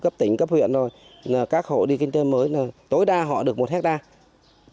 cấp tỉnh cấp huyện rồi là các hộ đi kinh tế mới tối đa họ được một hectare